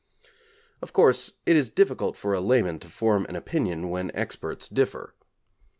Of course, it is difficult for a layman to form an opinion when experts differ.